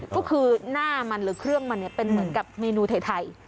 ก็คือหน้ามันหรือเครื่องมันเป็นเหมือนกับเมนูไทย